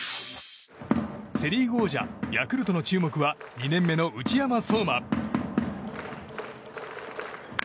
セ・リーグ王者ヤクルトの注目は２年目の内山壮真。